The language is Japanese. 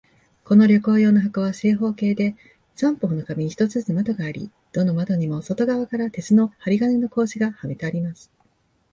この旅行用の箱は、正方形で、三方の壁に一つずつ窓があり、どの窓にも外側から鉄の針金の格子がはめてあります。